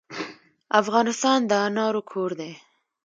افغانستان د انارو کور دی.